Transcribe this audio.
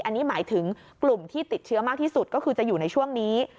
อันนี้หมายถึงกลุ่มที่ติดเชื้อมากที่สุดก็คือจะอยู่ในช่วงนี้